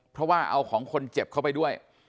เพราะว่าเอาของคนเจ็บเข้าไปด้วย